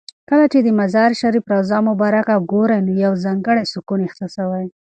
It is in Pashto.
کله چې د مزار شریف روضه مبارکه ګورې نو یو ځانګړی سکون احساسوې.